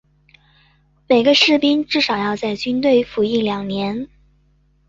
每个士兵至少要在军队服役两年。